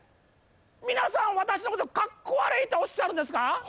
皆さん私のことカッコ悪いとおっしゃるんですか？